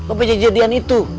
apa kejadian itu